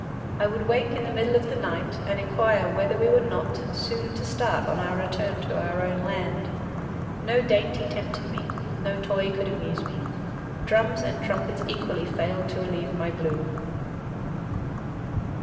” I would wake in the middle of the night and inquire whether we were not soon to start on our return to our own land. No dainty tempted me, no toy could amuse me. Drums and trumpets equally failed to relieve my gloom.